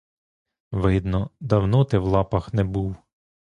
Видно, давно ти в лапах не був.